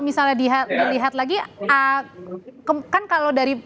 misalnya dilihat lagi kan kalau dari